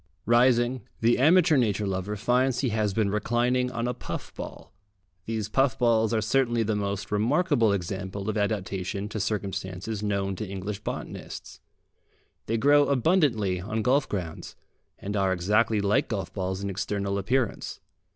Rising, the amateur nature lover finds he has been reclining on a puff ball. These puff balls are certainly the most remarkable example of adaptation to circumstances known to English botanists. They grow abundantly on golf grounds, and are exactly like golf balls in external appearance.